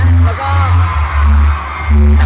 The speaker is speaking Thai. ไม่คิดว่ามันจะเหลือคืนหรือเปล่า